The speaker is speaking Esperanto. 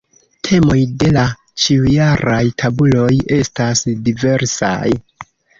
Temoj de la ĉiujaraj tabuloj estas diversaj.